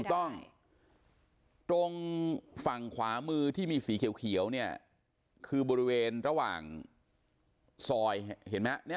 ตรงฝั่งขวามือที่มีสีเขียวเนี่ยคือบริเวณระหว่างซอยเห็นไหม